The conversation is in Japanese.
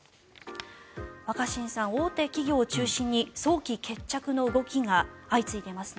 若新さん、大手企業を中心に早期決着の動きが相次いでいますね。